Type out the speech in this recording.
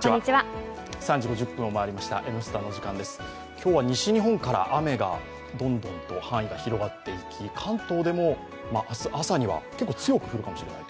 今日は西日本から雨がどんどんと範囲が広がっていき関東でも明日朝には強く降るかもしれないと。